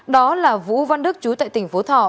đó là vũ văn đức chú tại tỉnh phú thọ